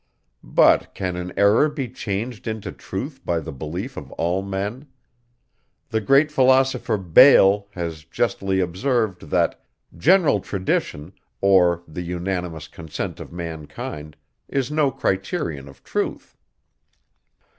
But, can an error be changed into truth by the belief of all men? The great philosopher Bayle has justly observed, that "general tradition, or the unanimous consent of mankind, is no criterion of truth."